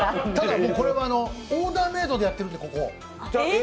ただ、これはオーダーメードでやっているんで、ここ。